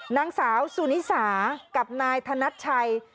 นางสาวสุนิสากับนายธนัดชัย